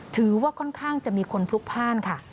ถือว่าค่อนข้างจะมีคนพลุกพ่านค่ะ